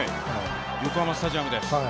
横浜スタジアムです。